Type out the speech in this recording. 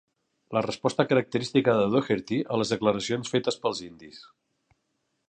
La resposta característica de Daugherty a les declaracions fetes pels indis.